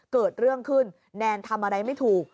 เกิดเรื่องขึ้นแนนทำอะไรไม่ถูก